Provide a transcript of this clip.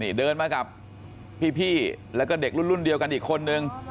นี่เดินมากับพี่แล้วก็เด็กรุ่นเดียวกันอีกคนนึง